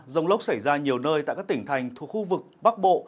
rông lốc xảy ra nhiều nơi tại các tỉnh thành thuộc khu vực bắc bộ